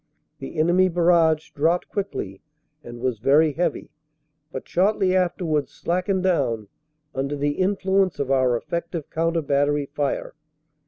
The enemy barrage dropped quickly and was very heavy, but shortly afterwards slackened down under the influence of our effective counter battery fire.